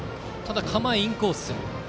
構えはインコース。